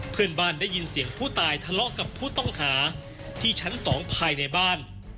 เพื่อนบ้านได้ยินเสียงผู้ตายทะเลาะกับผู้ต้องหาที่ชั้น๒ภายในบ้าน